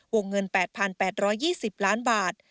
วงเงิน๘๘๒๐ล้านบาท